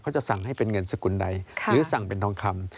จะสั่งให้เป็นเงินสกุลใดหรือสั่งเป็นทองคำ